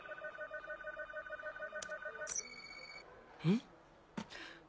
ん？